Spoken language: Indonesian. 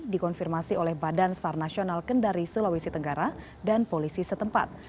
dikonfirmasi oleh badan sar nasional kendari sulawesi tenggara dan polisi setempat